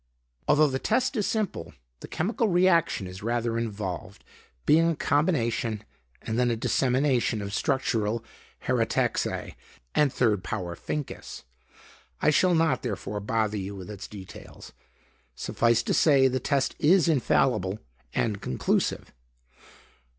Although the test is simple, the chemical reaction is rather involved, being a combination and then a dissemination of structural heraetixae and third power phincus. I shall not, therefore, bother you with its details. Suffice to say, the test is infallible and conclusive."